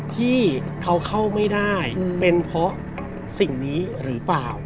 ที่เขาเข้าไม่ได้เป็นเพราะสิ่งนี้หรือเปล่า